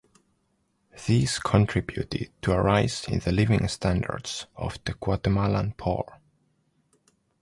These contributed to a rise in the living standards of the Guatemalan poor.